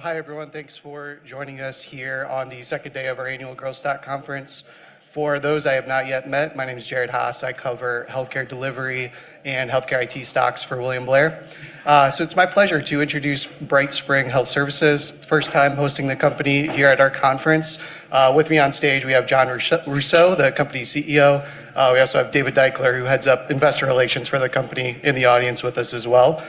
Hi everyone. Thanks for joining us here on the second day of our annual Growth Stock Conference. For those I have not yet met, my name is Jared Haase. I cover healthcare delivery and healthcare IT stocks for William Blair. It's my pleasure to introduce BrightSpring Health Services, first time hosting the company here at our conference. With me on stage, we have Jon Rousseau, the company's CEO. We also have David Deuchler, who heads up Investor Relations for the company, in the audience with us as well.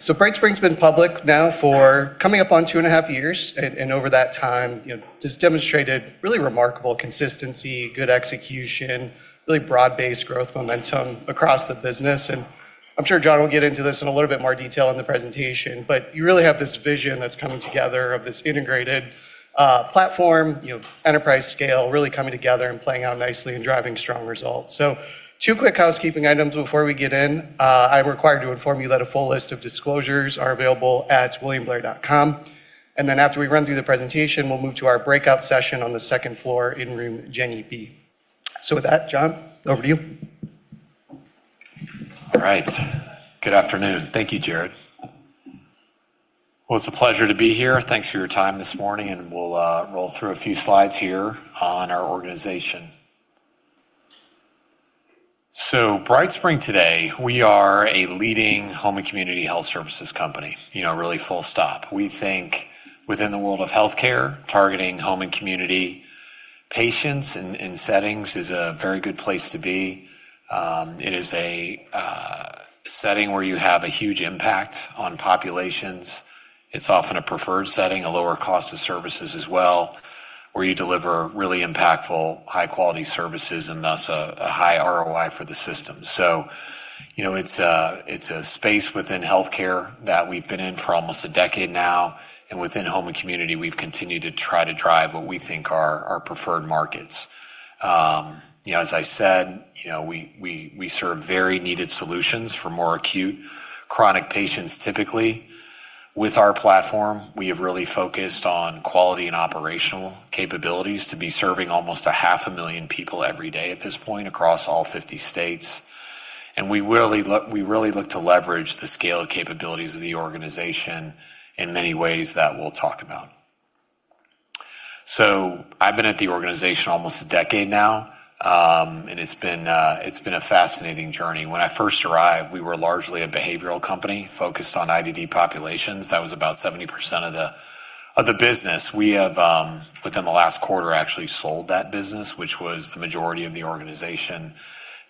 BrightSpring's been public now for coming up on two and a half years, and over that time has demonstrated really remarkable consistency, good execution, really broad-based growth momentum across the business, and I'm sure Jon will get into this in a little bit more detail in the presentation, but you really have this vision that's coming together of this integrated platform, enterprise scale really coming together and playing out nicely and driving strong results. Two quick housekeeping items before we get in. I'm required to inform you that a full list of disclosures are available at williamblair.com. After we run through the presentation, we'll move to our breakout session on the second floor in room Jenny B. With that, Jon, over to you. All right. Good afternoon. Thank you, Jared. It's a pleasure to be here. Thanks for your time this morning. We'll roll through a few slides here on our organization. BrightSpring today, we are a leading home and community health services company, really full stop. We think within the world of healthcare, targeting home and community patients and settings is a very good place to be. It is a setting where you have a huge impact on populations. It's often a preferred setting, a lower cost of services as well, where you deliver really impactful, high-quality services. Thus a high ROI for the system. It's a space within healthcare that we've been in for almost a decade now. Within home and community, we've continued to try to drive what we think are our preferred markets. As I said, we serve very needed solutions for more acute chronic patients typically. With our platform, we have really focused on quality and operational capabilities to be serving almost a half a million people every day at this point across all 50 states. We really look to leverage the scale and capabilities of the organization in many ways that we'll talk about. I've been at the organization almost a decade now. It's been a fascinating journey. When I first arrived, we were largely a behavioral company focused on IDD populations. That was about 70% of the business. We have within the last quarter actually sold that business, which was the majority of the organization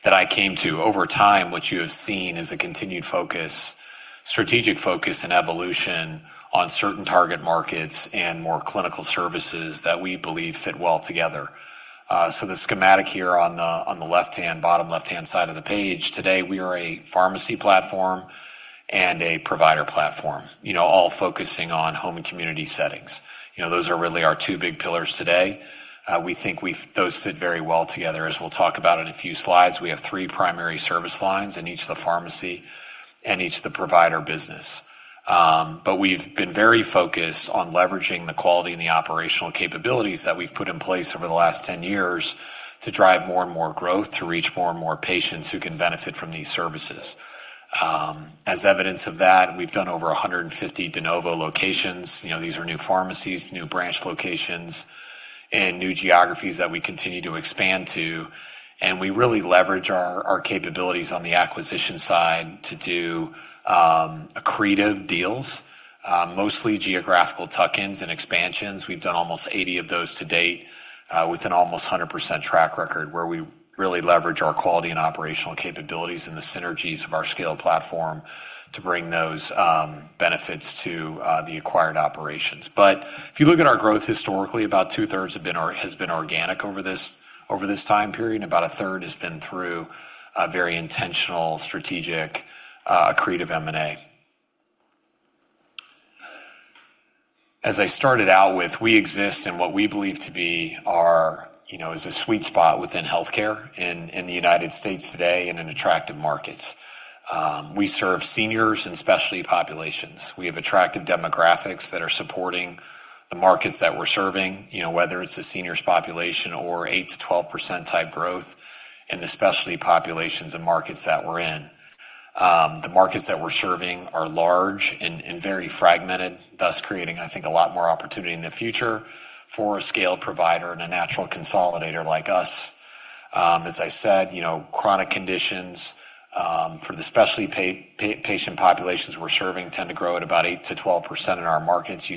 that I came to. Over time, what you have seen is a continued focus, strategic focus, and evolution on certain target markets and more clinical services that we believe fit well together. The schematic here on the bottom left-hand side of the page, today, we are a pharmacy platform and a provider platform all focusing on home and community settings. Those are really our two big pillars today. We think those fit very well together, as we'll talk about in a few slides. We have three primary service lines in each of the pharmacy and each of the provider business. We've been very focused on leveraging the quality and the operational capabilities that we've put in place over the last 10 years to drive more and more growth to reach more and more patients who can benefit from these services. As evidence of that, we've done over 150 de novo locations. These are new pharmacies, new branch locations, and new geographies that we continue to expand to. We really leverage our capabilities on the acquisition side to do accretive deals, mostly geographical tuck-ins and expansions. We've done almost 80 of those to date, with an almost 100% track record, where we really leverage our quality and operational capabilities and the synergies of our scaled platform to bring those benefits to the acquired operations. If you look at our growth historically, about two-thirds has been organic over this time period, and about a third has been through a very intentional, strategic, accretive M&A. As I started out with, we exist in what we believe to be our, is a sweet spot within healthcare in the United States today and in attractive markets. We serve seniors and specialty populations. We have attractive demographics that are supporting the markets that we're serving, whether it's the seniors population or 8%-12% type growth in the specialty populations and markets that we're in. The markets that we're serving are large and very fragmented, thus creating, I think, a lot more opportunity in the future for a scaled provider and a natural consolidator like us. As I said, chronic conditions, for the specialty patient populations we're serving, tend to grow at about 8%-12% in our markets.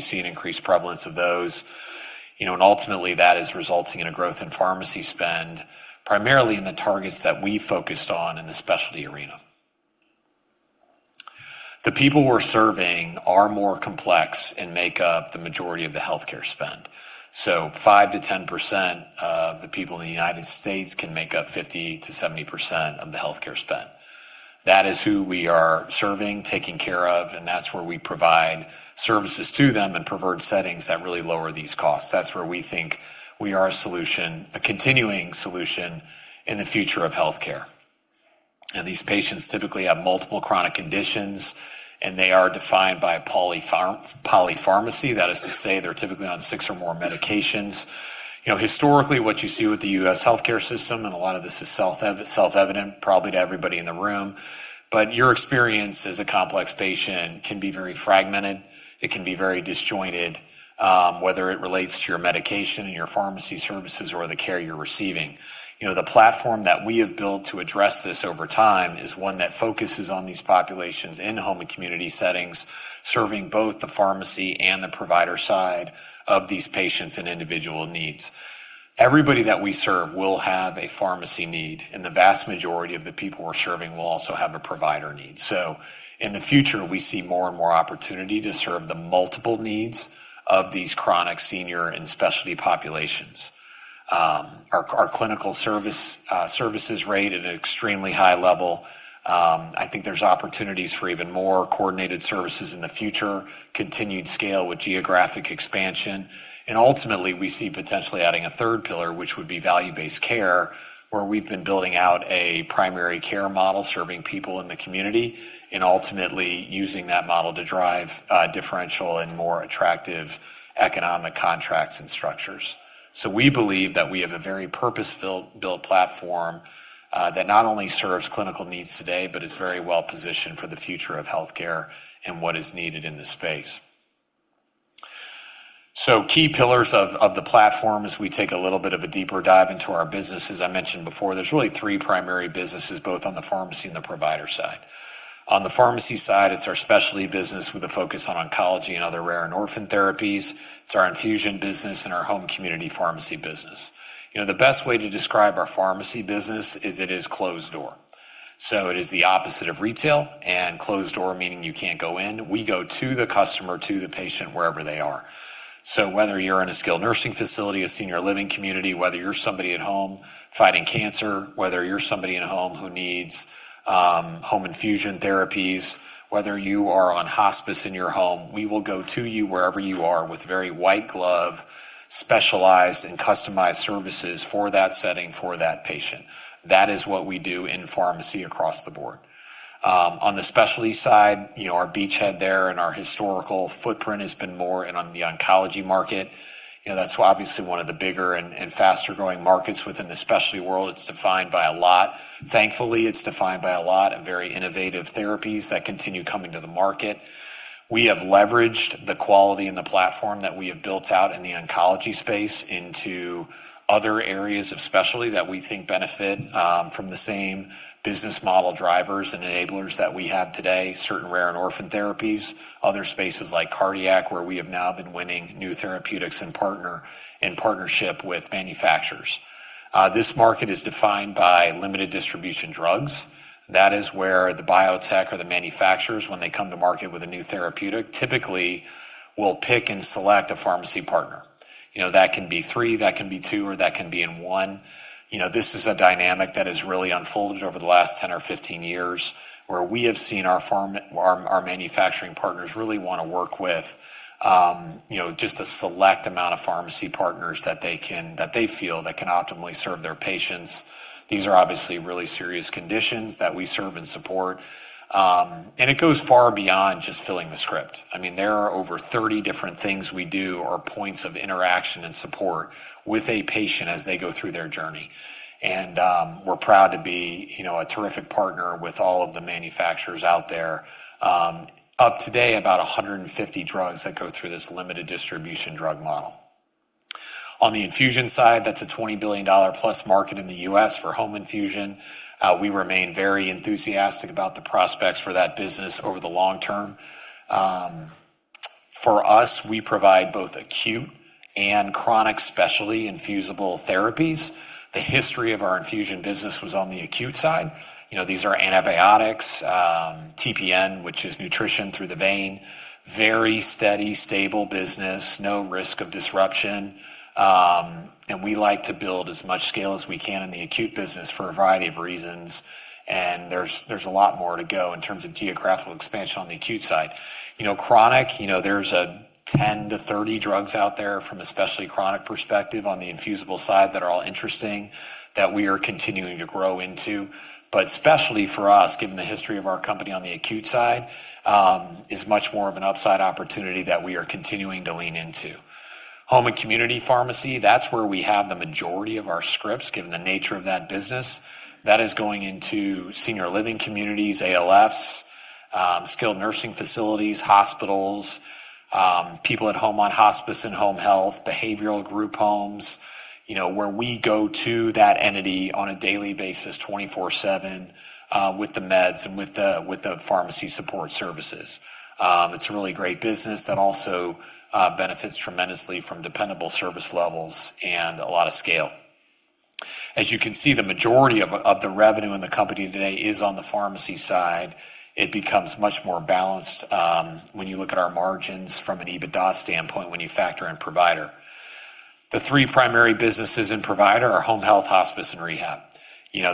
Ultimately that is resulting in a growth in pharmacy spend, primarily in the targets that we focused on in the specialty arena. The people we're serving are more complex and make up the majority of the healthcare spend. 5%-10% of the people in the U.S. can make up 50%-70% of the healthcare spend. That is who we are serving, taking care of, and that's where we provide services to them in preferred settings that really lower these costs. That's where we think we are a solution, a continuing solution in the future of healthcare. These patients typically have multiple chronic conditions, and they are defined by polypharmacy. That is to say, they're typically on six or more medications. Historically, what you see with the U.S. healthcare system, and a lot of this is self-evident probably to everybody in the room, but your experience as a complex patient can be very fragmented. It can be very disjointed, whether it relates to your medication and your pharmacy services or the care you're receiving. The platform that we have built to address this over time is one that focuses on these populations in home and community settings, serving both the pharmacy and the provider side of these patients and individual needs. Everybody that we serve will have a pharmacy need, and the vast majority of the people we're serving will also have a provider need. In the future, we see more and more opportunity to serve the multiple needs of these chronic senior and specialty populations. Our clinical services rate at an extremely high level. I think there's opportunities for even more coordinated services in the future, continued scale with geographic expansion, and ultimately, we see potentially adding a third pillar, which would be value-based care, where we've been building out a primary care model, serving people in the community, and ultimately using that model to drive differential and more attractive economic contracts and structures. We believe that we have a very purpose-built platform that not only serves clinical needs today but is very well-positioned for the future of healthcare and what is needed in this space. Key pillars of the platform as we take a little bit of a deeper dive into our business. As I mentioned before, there's really three primary businesses, both on the pharmacy and the provider side. On the pharmacy side, it's our specialty business with a focus on oncology and other rare and orphan therapies. It's our infusion business and our home community pharmacy business. The best way to describe our pharmacy business is it is closed door. It is the opposite of retail, and closed door meaning you can't go in. We go to the customer, to the patient, wherever they are. Whether you're in a skilled nursing facility, a senior living community, whether you're somebody at home fighting cancer, whether you're somebody in a home who needs home infusion therapies, whether you are on hospice in your home, we will go to you wherever you are with very white glove, specialized, and customized services for that setting, for that patient. That is what we do in pharmacy across the board. On the specialty side, our beachhead there and our historical footprint has been more in on the oncology market. That's obviously one of the bigger and faster-growing markets within the specialty world. Thankfully, it's defined by a lot of very innovative therapies that continue coming to the market. We have leveraged the quality and the platform that we have built out in the oncology space into other areas of specialty that we think benefit from the same business model drivers and enablers that we have today, certain rare and orphan therapies, other spaces like cardiac, where we have now been winning new therapeutics in partnership with manufacturers. This market is defined by limited distribution drugs. That is where the biotech or the manufacturers, when they come to market with a new therapeutic, typically will pick and select a pharmacy partner. That can be three, that can be two, or that can be one. This is a dynamic that has really unfolded over the last 10 or 15 years, where we have seen our manufacturing partners really want to work with just a select amount of pharmacy partners that they feel that can optimally serve their patients. These are obviously really serious conditions that we serve and support. It goes far beyond just filling the script. There are over 30 different things we do or points of interaction and support with a patient as they go through their journey. We're proud to be a terrific partner with all of the manufacturers out there. Up today, about 150 drugs that go through this limited distribution drug model. On the infusion side, that's a $20 billion plus market in the U.S. for home infusion. We remain very enthusiastic about the prospects for that business over the long term. For us, we provide both acute and chronic specialty infusible therapies. The history of our infusion business was on the acute side. These are antibiotics, TPN, which is nutrition through the vein. Very steady, stable business, no risk of disruption. We like to build as much scale as we can in the acute business for a variety of reasons, and there's a lot more to go in terms of geographical expansion on the acute side. Chronic, there's a 10-30 drugs out there from a specialty chronic perspective on the infusible side that are all interesting that we are continuing to grow into. Specialty for us, given the history of our company on the acute side, is much more of an upside opportunity that we are continuing to lean into. Home and community pharmacy, that's where we have the majority of our scripts, given the nature of that business. That is going into senior living communities, ALFs, skilled nursing facilities, hospitals, people at home on hospice and home health, behavioral group homes, where we go to that entity on a daily basis, 24/7, with the meds and with the pharmacy support services. It's a really great business that also benefits tremendously from dependable service levels and a lot of scale. As you can see, the majority of the revenue in the company today is on the pharmacy side. It becomes much more balanced when you look at our margins from an EBITDA standpoint when you factor in Provider. The three primary businesses in Provider are home health, hospice, and rehab.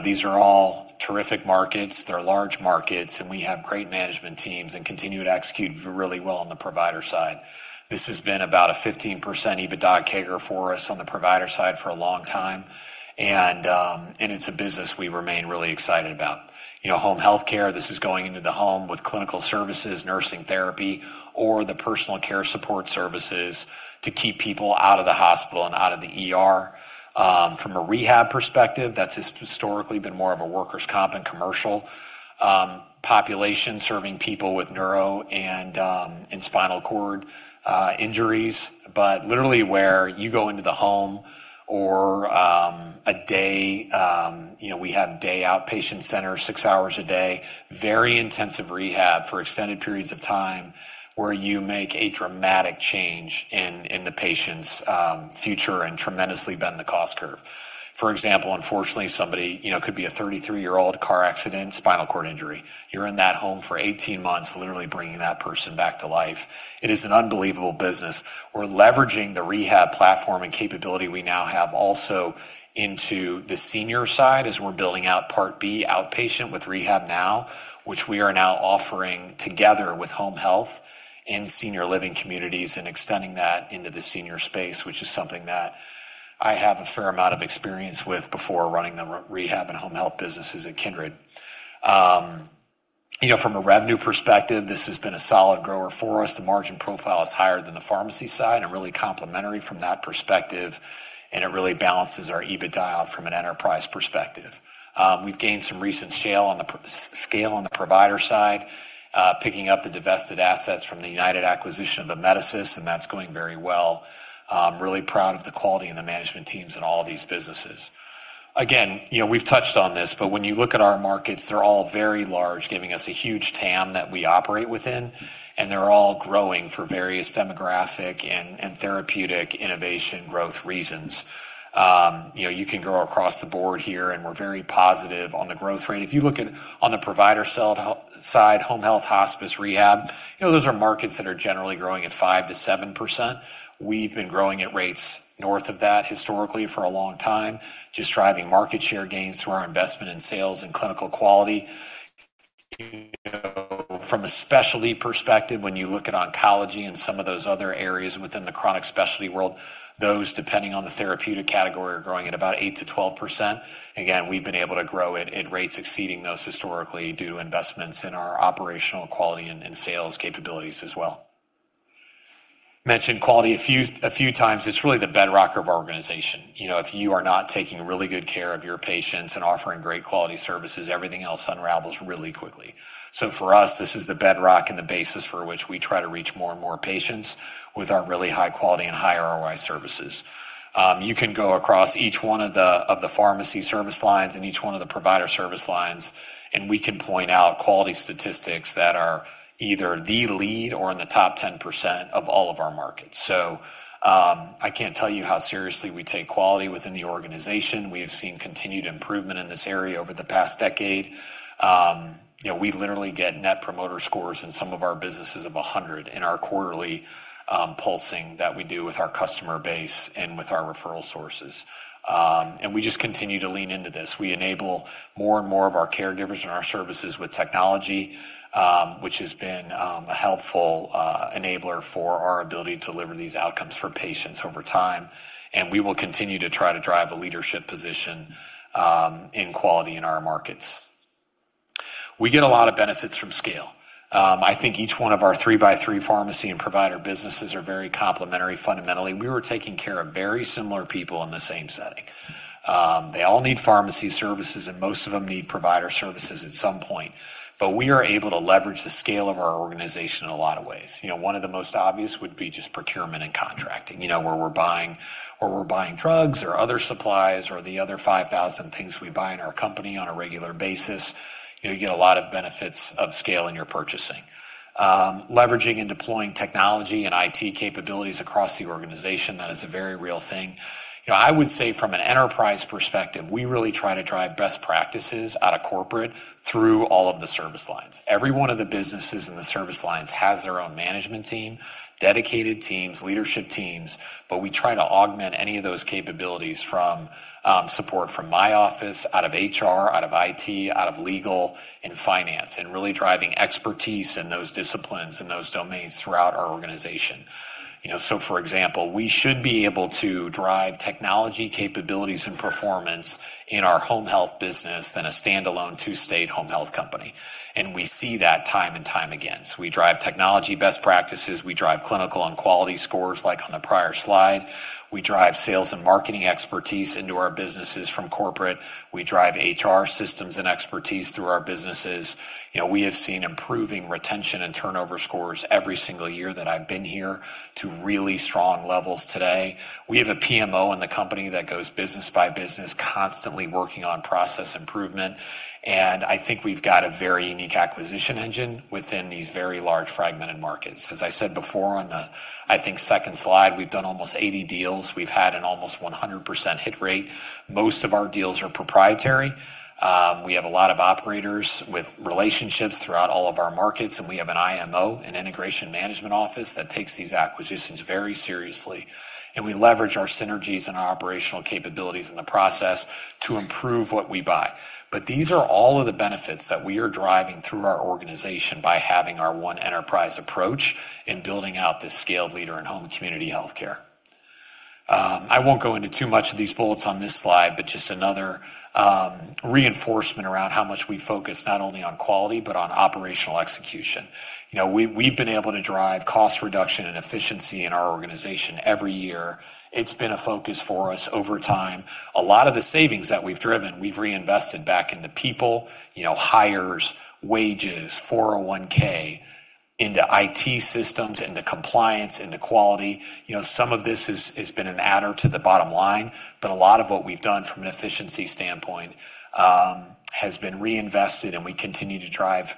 These are all terrific markets. They're large markets, and we have great management teams and continue to execute really well on the provider side. This has been about a 15% EBITDA CAGR for us on the provider side for a long time, and it's a business we remain really excited about. Home healthcare, this is going into the home with clinical services, nursing therapy, or the personal care support services to keep people out of the hospital and out of the ER. From a rehab perspective, that's historically been more of a workers' comp and commercial population serving people with neuro and spinal cord injuries, but literally where you go into the home or we have day outpatient center, six hours a day, very intensive rehab for extended periods of time where you make a dramatic change in the patient's future and tremendously bend the cost curve. For example, unfortunately, somebody, could be a 33-year-old car accident, spinal cord injury. You're in that home for 18 months, literally bringing that person back to life. It is an unbelievable business. We're leveraging the rehab platform and capability we now have also into the senior side as we're building out Part B outpatient with [RehabNow], which we are now offering together with home health in senior living communities and extending that into the senior space, which is something that I have a fair amount of experience with before running the rehab and home health businesses at Kindred. From a revenue perspective, this has been a solid grower for us. The margin profile is higher than the pharmacy side and really complementary from that perspective, and it really balances our EBITDA out from an enterprise perspective. We've gained some recent scale on the provider side, picking up the divested assets from the UnitedHealth acquisition of Amedisys, and that's going very well. Really proud of the quality and the management teams in all of these businesses. Again, we've touched on this, but when you look at our markets, they're all very large, giving us a huge TAM that we operate within, and they're all growing for various demographic and therapeutic innovation growth reasons. You can grow across the board here, and we're very positive on the growth rate. If you look at on the provider side, home health, hospice, rehab, those are markets that are generally growing at 5%-7%. We've been growing at rates north of that historically for a long time, just driving market share gains through our investment in sales and clinical quality. From a specialty perspective, when you look at oncology and some of those other areas within the chronic specialty world, those, depending on the therapeutic category, are growing at about 8%-12%. Again, we've been able to grow at rates exceeding those historically due to investments in our operational quality and sales capabilities as well. Mentioned quality a few times. It's really the bedrock of our organization. If you are not taking really good care of your patients and offering great quality services, everything else unravels really quickly. For us, this is the bedrock and the basis for which we try to reach more and more patients with our really high quality and high ROI services. You can go across each one of the pharmacy service lines and each one of the provider service lines, and we can point out quality statistics that are either the lead or in the top 10% of all of our markets. I can't tell you how seriously we take quality within the organization. We have seen continued improvement in this area over the past decade. We literally get Net Promoter Scores in some of our businesses of 100 in our quarterly pulsing that we do with our customer base and with our referral sources. We just continue to Lean into this. We enable more and more of our caregivers and our services with technology, which has been a helpful enabler for our ability to deliver these outcomes for patients over time. We will continue to try to drive a leadership position in quality in our markets. We get a lot of benefits from scale. I think each one of our three-by-three pharmacy and provider businesses are very complementary fundamentally. We were taking care of very similar people in the same setting. They all need pharmacy services, and most of them need provider services at some point. We are able to leverage the scale of our organization in a lot of ways. One of the most obvious would be just procurement and contracting, where we're buying drugs or other supplies or the other 5,000 things we buy in our company on a regular basis. You get a lot of benefits of scale in your purchasing. Leveraging and deploying technology and IT capabilities across the organization, that is a very real thing. I would say from an enterprise perspective, we really try to drive best practices out of corporate through all of the service lines. Every one of the businesses in the service lines has their own management team, dedicated teams, leadership teams, but we try to augment any of those capabilities from support from my office, out of HR, out of IT, out of Legal and Finance, and really driving expertise in those disciplines and those domains throughout our organization. For example, we should be able to drive technology capabilities and performance in our home health business than a standalone two-state home health company. We see that time and time again. We drive technology best practices. We drive clinical and quality scores like on the prior slide. We drive sales and marketing expertise into our businesses from corporate. We drive HR systems and expertise through our businesses. We have seen improving retention and turnover scores every single year that I've been here to really strong levels today. We have a PMO in the company that goes business by business, constantly working on process improvement. I think we've got a very unique acquisition engine within these very large fragmented markets. As I said before on the, I think, second slide, we've done almost 80 deals. We've had an almost 100% hit rate. Most of our deals are proprietary. We have a lot of operators with relationships throughout all of our markets, and we have an IMO, an integration management office, that takes these acquisitions very seriously. We leverage our synergies and our operational capabilities in the process to improve what we buy. These are all of the benefits that we are driving through our organization by having our one enterprise approach in building out this scale leader in home community healthcare. I won't go into too much of these bullets on this slide, but just another reinforcement around how much we focus not only on quality, but on operational execution. We've been able to drive cost reduction and efficiency in our organization every year. It's been a focus for us over time. A lot of the savings that we've driven, we've reinvested back into people, hires, wages, 401(k) into IT systems, into compliance, into quality. Some of this has been an adder to the bottom line, but a lot of what we've done from an efficiency standpoint has been reinvested, and we continue to drive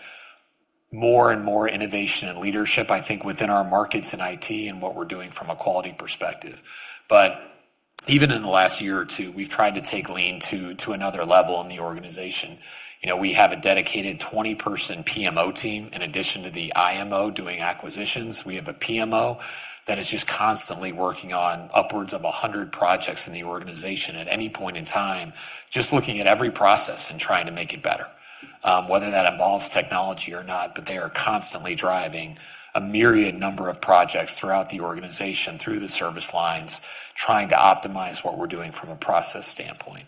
more and more innovation and leadership, I think within our markets in IT and what we're doing from a quality perspective. Even in the last year or two, we've tried to take Lean to another level in the organization. We have a dedicated 20-person PMO team. In addition to the IMO doing acquisitions, we have a PMO that is just constantly working on upwards of 100 projects in the organization at any point in time, just looking at every process and trying to make it better, whether that involves technology or not. They are constantly driving a myriad number of projects throughout the organization, through the service lines, trying to optimize what we're doing from a process standpoint.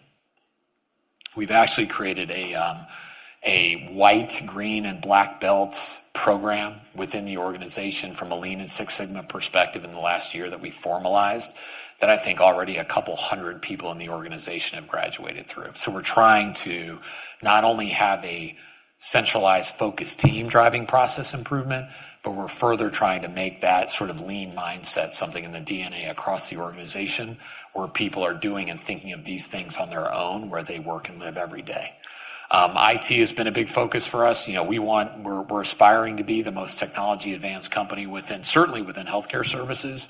We've actually created a white, green, and black belt program within the organization from a Lean and Six Sigma perspective in the last year that we formalized that I think already a couple hundred people in the organization have graduated through. We're trying to not only have a centralized focused team driving process improvement, but we're further trying to make that sort of Lean mindset something in the DNA across the organization, where people are doing and thinking of these things on their own, where they work and live every day. IT has been a big focus for us. We're aspiring to be the most technology-advanced company, certainly within healthcare services,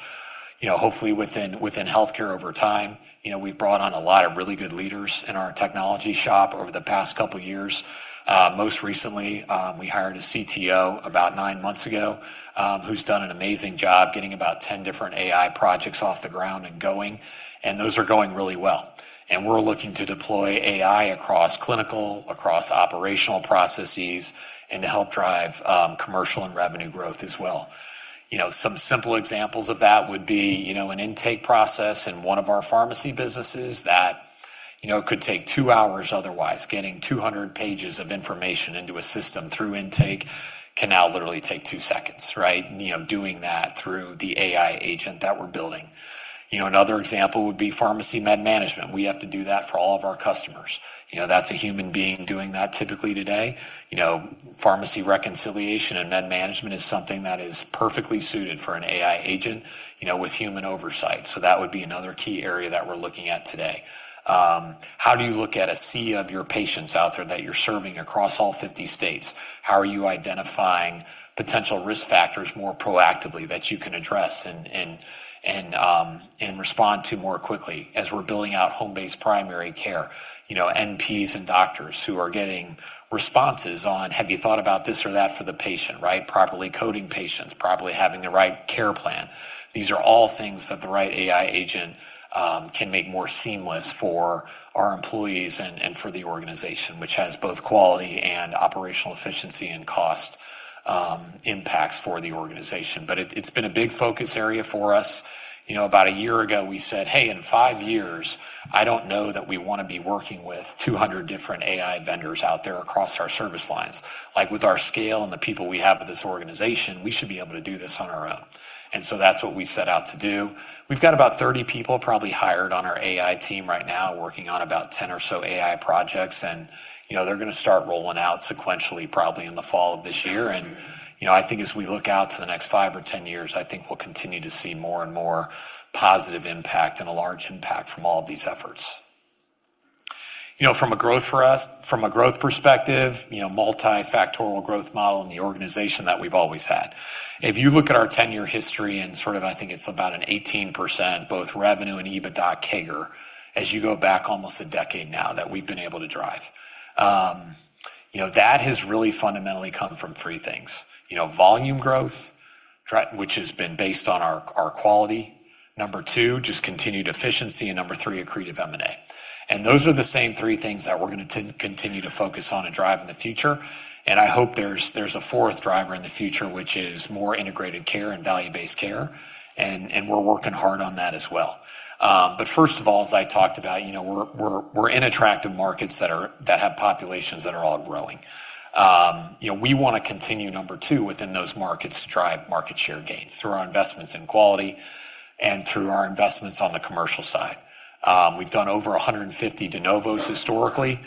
hopefully within healthcare over time. We've brought on a lot of really good leaders in our technology shop over the past couple of years. Most recently, we hired a CTO about nine months ago, who's done an amazing job getting about 10 different AI projects off the ground and going, and those are going really well. We're looking to deploy AI across clinical, across operational processes, and to help drive commercial and revenue growth as well. Some simple examples of that would be an intake process in one of our pharmacy businesses that could take two hours otherwise. Getting 200 pages of information into a system through intake can now literally take two seconds, doing that through the AI agent that we're building. Another example would be pharmacy med management. We have to do that for all of our customers. That's a human being doing that typically today. Pharmacy reconciliation and med management is something that is perfectly suited for an AI agent with human oversight. That would be another key area that we're looking at today. How do you look at a sea of your patients out there that you're serving across all 50 states? How are you identifying potential risk factors more proactively that you can address and respond to more quickly as we're building out home-based primary care? NPs and doctors who are getting responses on, have you thought about this or that for the patient, properly coding patients, properly having the right care plan. These are all things that the right AI agent can make more seamless for our employees and for the organization, which has both quality and operational efficiency and cost impacts for the organization. It's been a big focus area for us. About a year ago, we said, "Hey, in five years, I don't know that we want to be working with 200 different AI vendors out there across our service lines. With our scale and the people we have with this organization, we should be able to do this on our own." That's what we set out to do. We've got about 30 people probably hired on our AI team right now, working on about 10 or so AI projects, they're going to start rolling out sequentially, probably in the fall of this year. I think as we look out to the next five or 10 years, I think we'll continue to see more and more positive impact and a large impact from all of these efforts. From a growth perspective, multifactorial growth model in the organization that we've always had. If you look at our 10-year history, I think it's about an 18%, both revenue and EBITDA CAGR, as you go back almost a decade now that we've been able to drive. That has really fundamentally come from three things. Volume growth, which has been based on our quality. Number two, just continued efficiency. Number three, accretive M&A. Those are the same three things that we're going to continue to focus on and drive in the future. I hope there's a fourth driver in the future, which is more integrated care and value-based care, and we're working hard on that as well. First of all, as I talked about, we're in attractive markets that have populations that are all growing. We want to continue, number two, within those markets to drive market share gains through our investments in quality and through our investments on the commercial side. We've done over 150 de novos historically.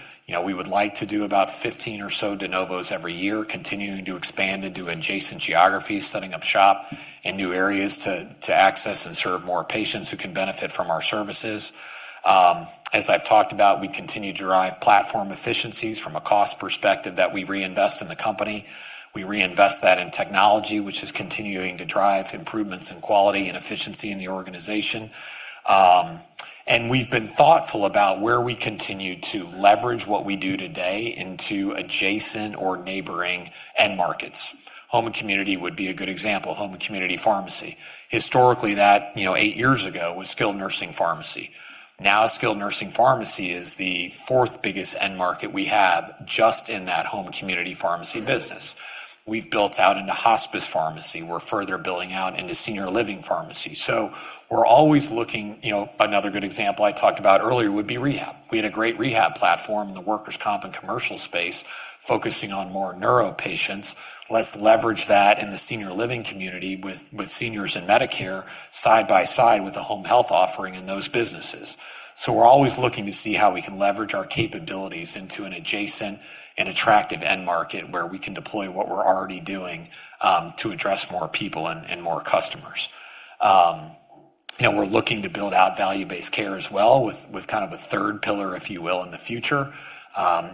We would like to do about 15 or so de novos every year, continuing to expand into adjacent geographies, setting up shop in new areas to access and serve more patients who can benefit from our services. As I've talked about, we continue to drive platform efficiencies from a cost perspective that we reinvest in the company. We reinvest that in technology, which is continuing to drive improvements in quality and efficiency in the organization. We've been thoughtful about where we continue to leverage what we do today into adjacent or neighboring end markets. Home and community would be a good example. Home and community pharmacy. Historically, that eight years ago was skilled nursing pharmacy. Now, skilled nursing pharmacy is the fourth biggest end market we have just in that home community pharmacy business. We've built out into hospice pharmacy. We're further building out into senior living pharmacy. We're always looking. Another good example I talked about earlier would be rehab. We had a great rehab platform in the workers' comp and commercial space, focusing on more neuro patients. Let's leverage that in the senior living community with seniors and Medicare side by side with the home health offering in those businesses. We're always looking to see how we can leverage our capabilities into an adjacent and attractive end market where we can deploy what we're already doing to address more people and more customers. We're looking to build out value-based care as well with kind of a third pillar, if you will, in the future,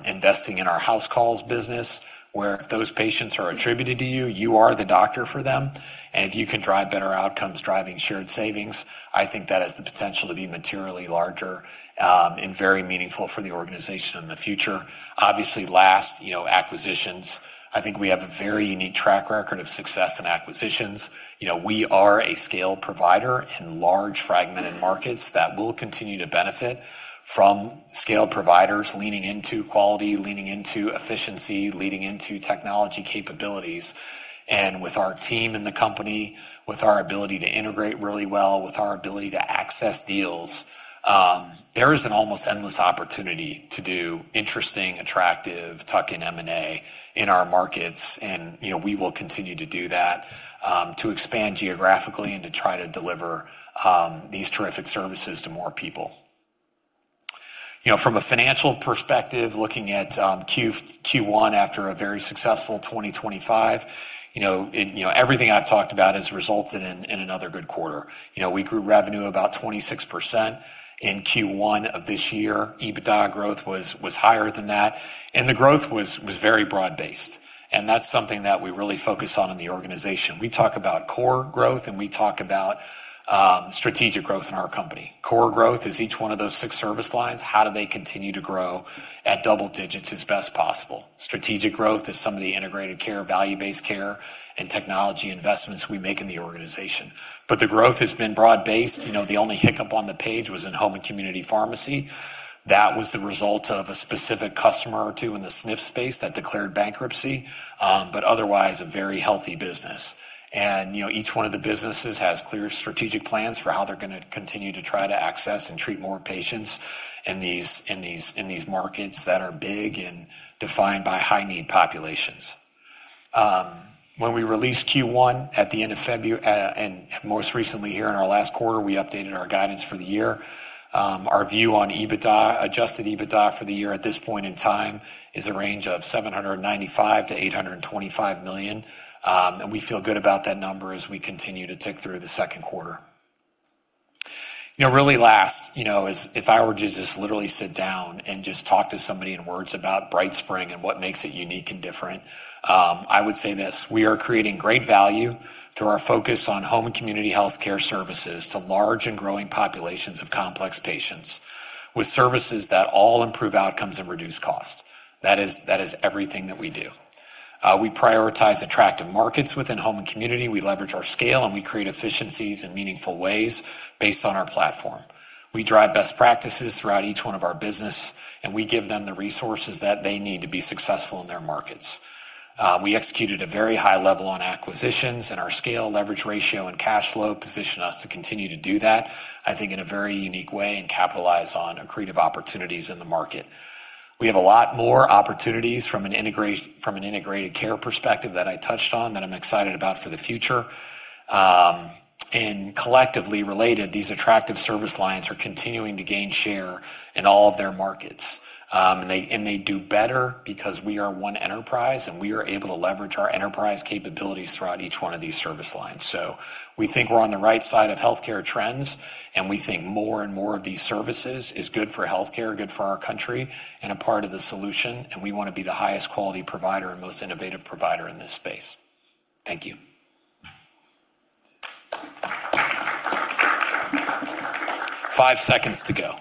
investing in our house calls business, where if those patients are attributed to you are the doctor for them. If you can drive better outcomes, driving shared savings, I think that has the potential to be materially larger and very meaningful for the organization in the future. Obviously, last, acquisitions, I think we have a very unique track record of success in acquisitions. We are a scale provider in large, fragmented markets that will continue to benefit from scale providers leaning into quality, leaning into efficiency, leaning into technology capabilities. With our team and the company, with our ability to integrate really well, with our ability to access deals, there is an almost endless opportunity to do interesting, attractive tuck-in M&A in our markets. We will continue to do that to expand geographically and to try to deliver these terrific services to more people. From a financial perspective, looking at Q1 after a very successful 2025, everything I've talked about has resulted in another good quarter. We grew revenue about 26% in Q1 of this year. EBITDA growth was higher than that, and the growth was very broad-based, and that's something that we really focus on in the organization. We talk about core growth, and we talk about strategic growth in our company. Core growth is each one of those six service lines. How do they continue to grow at double digits as best possible? Strategic growth is some of the integrated care, value-based care, and technology investments we make in the organization. The growth has been broad-based. The only hiccup on the page was in home and community pharmacy. That was the result of a specific customer or two in the SNF space that declared bankruptcy, but otherwise, a very healthy business. Each one of the businesses has clear strategic plans for how they're going to continue to try to access and treat more patients in these markets that are big and defined by high-need populations. When we released Q1 at the end of February, and most recently here in our last quarter, we updated our guidance for the year. Our view on EBITDA, adjusted EBITDA for the year at this point in time is a range of $795 million-$825 million, and we feel good about that number as we continue to tick through the second quarter. Really last, if I were to just literally sit down and just talk to somebody in words about BrightSpring and what makes it unique and different, I would say this: We are creating great value through our focus on home and community healthcare services to large and growing populations of complex patients, with services that all improve outcomes and reduce cost. That is everything that we do. We prioritize attractive markets within home and community. We leverage our scale, and we create efficiencies in meaningful ways based on our platform. We drive best practices throughout each one of our businesses, and we give them the resources that they need to be successful in their markets. We executed a very high level on acquisitions, and our scale, leverage ratio, and cash flow position us to continue to do that, I think, in a very unique way and capitalize on accretive opportunities in the market. We have a lot more opportunities from an integrated care perspective that I touched on that I'm excited about for the future. Collectively related, these attractive service lines are continuing to gain share in all of their markets. They do better because we are one enterprise, and we are able to leverage our enterprise capabilities throughout each one of these service lines. We think we're on the right side of healthcare trends, and we think more and more of these services is good for healthcare, good for our country, and a part of the solution, and we want to be the highest quality provider and most innovative provider in this space. Thank you. Five seconds to go.